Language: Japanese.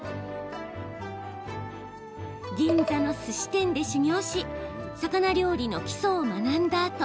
銀座のすし店で修業し魚料理の基礎を学んだあと